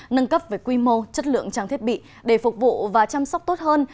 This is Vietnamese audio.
nâng cấp về quy mô chất lượng trang thiết bị để phục vụ và chăm sóc tốt hơn